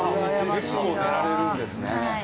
結構寝られるんですね。